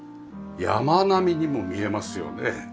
山並みにも見えますよね。